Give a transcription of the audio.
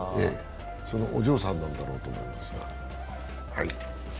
そのお嬢さんなんだろうと思います。